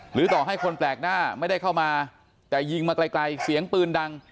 ต่อให้คนแปลกหน้าไม่ได้เข้ามาแต่ยิงมาไกลเสียงปืนดัง